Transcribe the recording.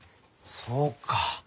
そうか。